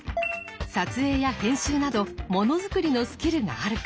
撮影や編集などもの作りのスキルがあるか。